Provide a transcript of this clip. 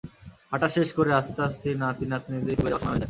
হাঁটা শেষ করে আসতে আসতেই নাতি-নাতনিদের স্কুলে যাওয়ার সময় হয়ে যায়।